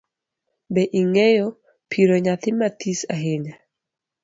Be ingeyo piro nyathii mathis ahinya?